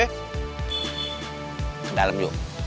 ke dalam yuk